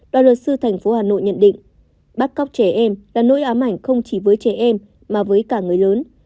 đoàn luật sư thành phố hà nội nhận định bắt cóc trẻ em là nỗi ám ảnh không chỉ với trẻ em mà với cả người lớn